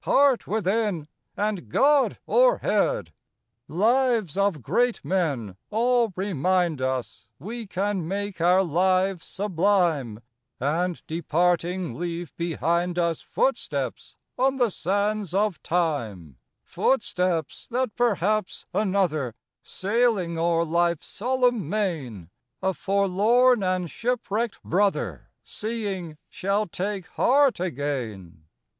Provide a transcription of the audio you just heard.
Heart within, and God o'erhead ! A PSALM OF LIFE. Lives of great men all remind us We can make our lives sublime, And, departing, leave behind us Footsteps on the sands of time ; Footsteps, that perhaps another, Sailing o'er life's solemn main, A forlorn and shipwrecked brother, Seeing, shall take heart again.